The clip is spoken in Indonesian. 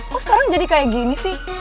kok sekarang jadi kayak gini sih